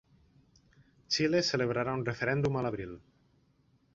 Xile celebrarà un referèndum a l'abril